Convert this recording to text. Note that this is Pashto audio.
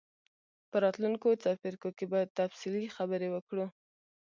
په راتلونکو څپرکو کې به تفصیلي خبرې وکړو.